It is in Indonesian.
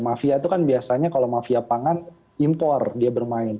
mafia itu kan biasanya kalau mafia pangan impor dia bermain